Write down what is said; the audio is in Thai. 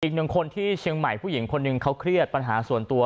อีกหนึ่งคนที่เชียงใหม่ผู้หญิงคนหนึ่งเขาเครียดปัญหาส่วนตัว